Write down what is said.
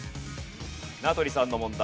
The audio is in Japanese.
名取さんの問題。